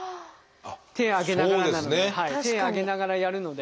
手上げながらなので手上げながらやるので。